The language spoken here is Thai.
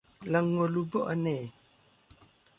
บาโงลูโบ๊ะอาแน